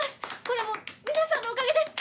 これも皆さんのおかげです！